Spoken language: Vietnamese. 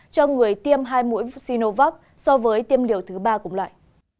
cho người tiêm hai mũi sinovac so với tiêm liều thứ ba cùng loại